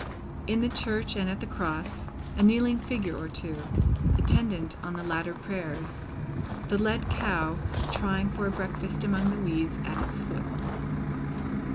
In the church and at the Cross, a kneeling figure or two; attendant on the latter prayers, the led cow, trying for a breakfast among the weeds at its foot.